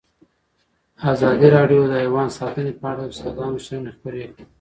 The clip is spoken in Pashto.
ازادي راډیو د حیوان ساتنه په اړه د استادانو شننې خپرې کړي.